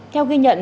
theo ghi nhận